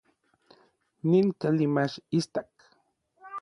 Nin kali mach istak.